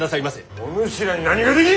お主らに何ができる！